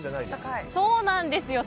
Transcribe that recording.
そうなんですよ！